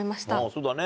そうだね。